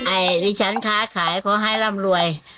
ไอ้ริชันค้าขายเพราะให้ร่ำรวย